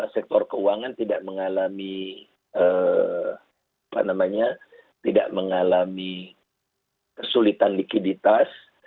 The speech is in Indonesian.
sektor keuangan tidak mengalami apa namanya tidak mengalami kesulitan likiditas